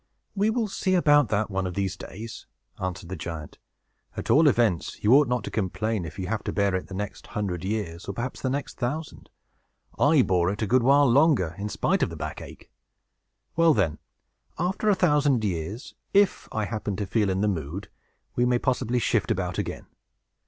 "We will see about that, one of these days," answered the giant. "At all events, you ought not to complain, if you have to bear it the next hundred years, or perhaps the next thousand. I bore it a good while longer, in spite of the back ache. Well, then, after a thousand years, if I happen to feel in the mood, we may possibly shift about again.